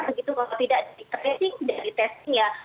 begitu kalau tidak di tracing tidak di testing ya